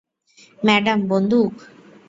Madam, বন্দুক?